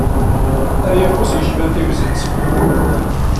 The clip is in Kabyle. Ay afus yecban tiwzet.